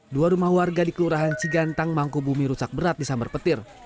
dua rumah warga dikeluarahan sigantang mangku bumi rusak berat di sambar petir